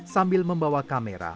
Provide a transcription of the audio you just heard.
sambil membawa kamera